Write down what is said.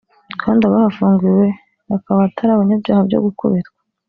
kandi abahafungiwe bakaba atari abanyabyaha byo gukubitwa